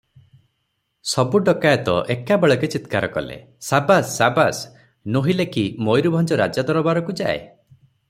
ସବୁ ଡକାଏତ ଏକାବେଳକେ ଚିତ୍କାର କଲେ, "ସାବାସ ସାବାସ, ନୋହିଲେ କି ମୟୂରଭଞ୍ଜ ରାଜା ଦରବାରକୁ ଯାଏ ।"